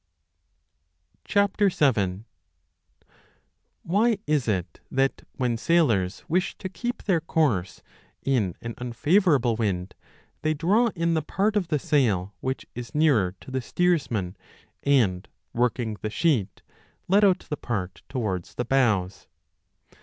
7 WHY is it that, when sailors wish to keep their course in an unfavourable wind, they draw in the part of the sail which is nearer to the steersman, and, working the sheet, let out the part towards the bows